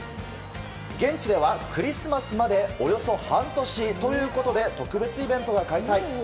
現地ではクリスマスまでおよそ半年ということで特別イベントが開催。